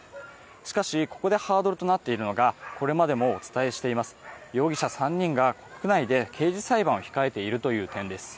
しかし、ここでハードルとなっているのがこれまでもお伝えしています容疑者３人が国内で刑事裁判を控えているという点です。